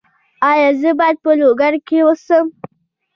ایا زه باید په لوګر کې اوسم؟